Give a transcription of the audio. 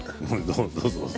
どうぞ。